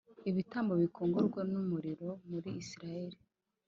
ibitambo bikongorwa n umuriro muri Isirayeli